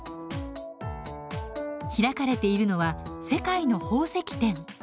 開かれているのは「世界の宝石展」。